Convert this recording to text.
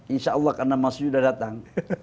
insya allah karena mas yuda datang